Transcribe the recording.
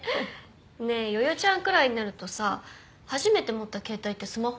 ねえ夜々ちゃんくらいになるとさ初めて持った携帯ってスマホ？